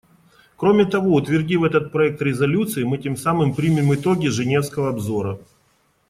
Кроме того, утвердив этот проект резолюции, мы тем самым примем итоги женевского обзора.